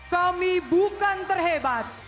kami bukan terhebat